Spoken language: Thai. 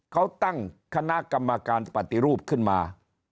เขาตั้งคณะกรรมการปฏิรูปขึ้นมา